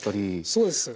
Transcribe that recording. そうです。